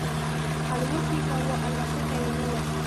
الوت یې کاو الوتکه یې نه وه.